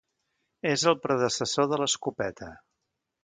És el predecessor de l'escopeta.